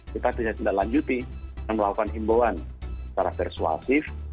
kita bisa cenderung lanjuti dan melakukan imbauan secara persuasif